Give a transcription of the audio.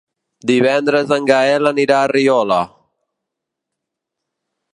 Divendres en Gaël anirà a Riola.